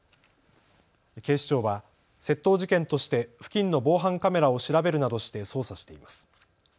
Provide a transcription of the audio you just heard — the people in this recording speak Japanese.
警視庁は窃盗事件として付近の防犯カメラを調べるなどして捜査しています。